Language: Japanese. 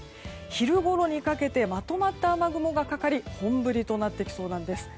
昼頃にかけてまとまった雨雲がかかり本降りとなってきそうなんです。